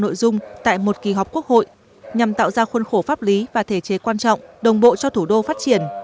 quốc hội đã tham sát cả ba nội dung tại một kỳ họp quốc hội nhằm tạo ra khuôn khổ pháp lý và thể chế quan trọng đồng bộ cho thủ đô phát triển